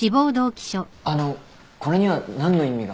あのこれには何の意味が？